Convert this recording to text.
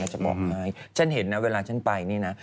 จะบอกให้ฉันเห็นนะเวลาฉันไปนี่นะ